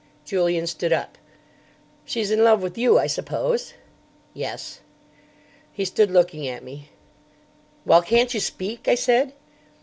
Julian stood up. "She's in love with you, I suppose?" "Yes." He stood looking at me. "Well, can't you speak?" I said.